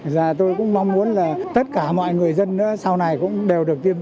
và cũng như là hệ thống cấp cứu của tư bệnh viện